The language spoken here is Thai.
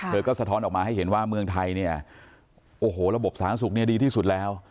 เธอก็สะท้อนออกมาให้เห็นว่าเมืองไทยเนี่ยโอ้โหระบบสาธารณสุขเนี่ยดีที่สุดแล้ว